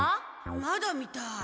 まだみたい。